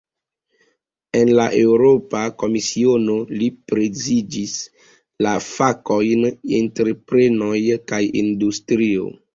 En la Eŭropa Komisiono, li prezidis la fakojn "entreprenoj kaj industrio".